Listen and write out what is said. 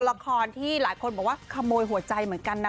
ละครที่หลายคนบอกว่าขโมยหัวใจเหมือนกันนะ